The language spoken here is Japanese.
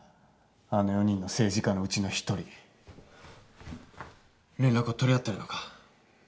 あの４人の政治家のうちのひとり連絡を取り合ってるのか。